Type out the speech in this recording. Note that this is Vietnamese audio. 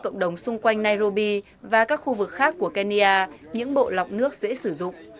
cộng đồng xung quanh nairobi và các khu vực khác của kenya những bộ lọc nước dễ sử dụng